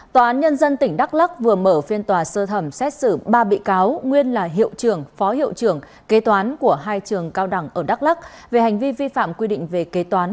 tòa án nhân dân tỉnh đắk lắc vừa mở phiên tòa sơ thẩm xét xử ba bị cáo nguyên là hiệu trưởng phó hiệu trưởng kế toán của hai trường cao đẳng ở đắk lắc về hành vi vi phạm quy định về kế toán